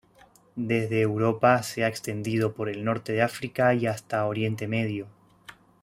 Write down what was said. Desde Europa se ha extendido por el Norte de África y hasta Oriente Medio.